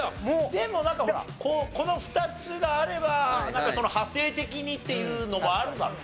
でもなんかほらこの２つがあれば派生的にっていうのもあるだろ。